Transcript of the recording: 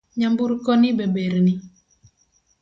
Nyamburko ni be ber ni?